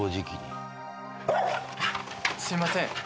すいません